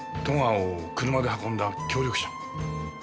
戸川を車で運んだ協力者。